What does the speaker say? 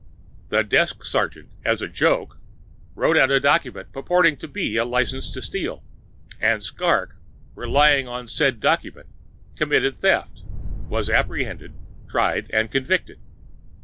The desk sergeant, as a joke, wrote out a document purporting to be a license to steal, and Skrrgck, relying on said document, committed theft, was apprehended, tried and convicted.